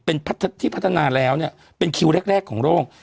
เป็นที่พัฒนาแล้วเนี่ยเป็นคิวแรกแรกของโลก